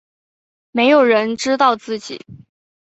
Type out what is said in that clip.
没有人知道自己